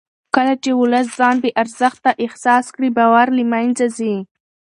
کله چې ولس ځان بې ارزښته احساس کړي باور له منځه ځي